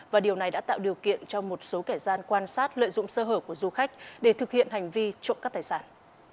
và điều này đã tạo điều kiện cho một số kẻ gian quan sát lợi dụng sơ hở của du khách để thực hiện hành vi trộm cắp tài sản